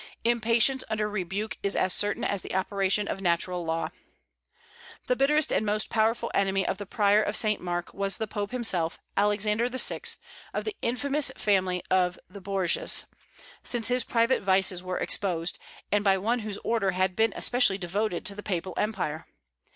Impatience under rebuke is as certain as the operation of natural law. The bitterest and most powerful enemy of the Prior of St. Mark was the Pope himself, Alexander VI., of the infamous family of the Borgias, since his private vices were exposed, and by one whose order had been especially devoted to the papal empire.